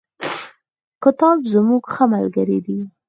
کتاب زموږ ښه ملگری دی.